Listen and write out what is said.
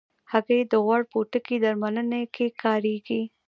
هګۍ د غوړ پوستکي درملنه کې کارېږي.